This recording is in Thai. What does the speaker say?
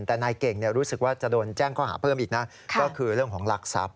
แต่นายเก่งรู้สึกว่าจะโดนแจ้งข้อหาเพิ่มอีกนะก็คือเรื่องของหลักทรัพย